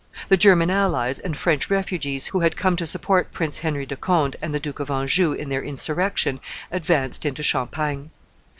The German allies and French refugees who had come to support Prince Henry de Conde and the Duke of Anjou in their insurrection advanced into Champagne.